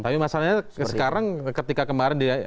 tapi masalahnya sekarang ketika kemarin